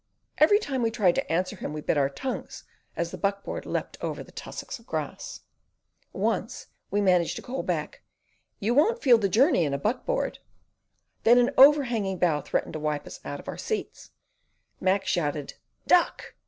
Every time we tried to answer him we bit our tongues as the buck board leapt over the tussocks of grass. Once we managed to call back, "You won't feel the journey in a buck board." Then an overhanging bough threatening to wipe us out of our seats, Mac shouted, "Duck!"